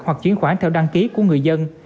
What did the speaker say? hoặc chuyển khoản theo đăng ký của người dân